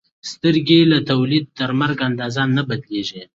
سترګې له تولد تر مرګ اندازه نه بدلېږي.